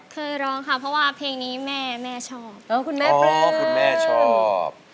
เคยร้องค่ะเพราะว่าเพลงนี้แม่แม่ชอบคุณแม่ปลวคุณแม่ชอบ